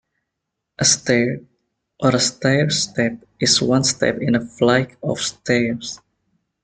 A stair, or a stairstep is one step in a flight of stairs.